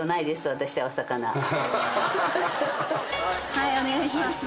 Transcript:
はいお願いします。